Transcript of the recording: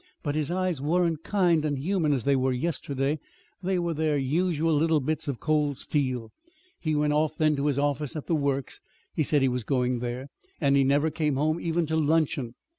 But his eyes weren't kind and and human, as they were yesterday. They were their usual little bits of cold steel. He went off then to his office at the Works (he said he was going there), and he never came home even to luncheon.